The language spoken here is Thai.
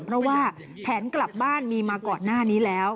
เพราะว่าแผนกลับบ้านมีมาก่อนหน้านี้แล้ว